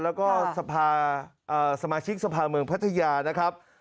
แล้วก็สมาชิกสภาเมืองพัทยานะครับ